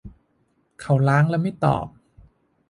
เขาล้างและไม่ตอบ